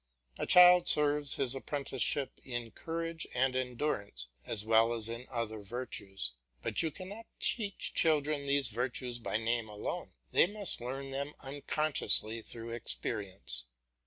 A child serves his apprenticeship in courage and endurance as well as in other virtues; but you cannot teach children these virtues by name alone; they must learn them unconsciously through experience.